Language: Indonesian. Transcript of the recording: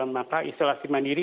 maka isolasi mandiri